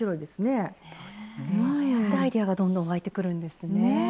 ああやってアイデアがどんどん湧いてくるんですね。ね！